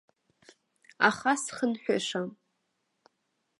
Аха схынҳәышам.